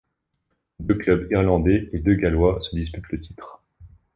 Deux clubs irlandais et deux gallois se disputent le titre.